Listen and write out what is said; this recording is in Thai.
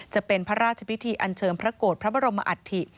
จะเป็นพระราชพิธีอันเชิญพระโกรธพระบรมอัฐิ